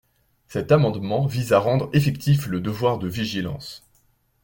Cet amendement vise à rendre effectif le devoir de vigilance.